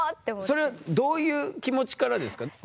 それはどういう気持ちからですか？